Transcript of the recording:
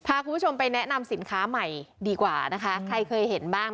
พาคุณผู้ชมไปแนะนำสินค้าใหม่ดีกว่านะคะใครเคยเห็นบ้าง